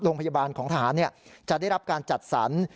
โรงพยาบาลของทหารจะได้รับการจัดสรร